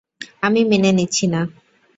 আমি মেনে নিচ্ছি না।